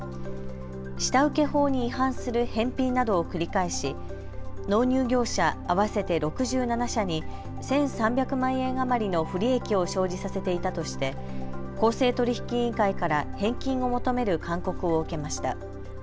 下請け法に違反する返品などを繰り返し納入業者合わせて６７社に１３００万円余りの不利益を生じさせていたとして公正取引委員会から返金を求める勧告を受けました。